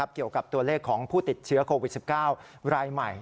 เกี่ยวกับตัวเลขของผู้ติดเชื้อโควิด๑๙รายใหม่